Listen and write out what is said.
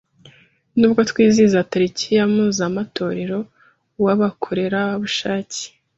Nubwo twizihiza tariki ya mpuzamatorero w’abakorerabushake